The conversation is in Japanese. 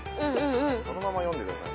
そのまま読んでください。